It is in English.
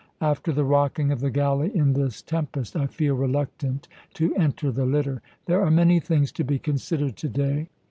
After the rocking of the galley in this tempest, I feel reluctant to enter the litter. There are many things to be considered to day.